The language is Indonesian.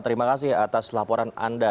terima kasih atas laporan anda